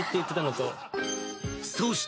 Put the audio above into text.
［そして］